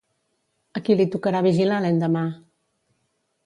A qui li tocarà vigilar l'endemà?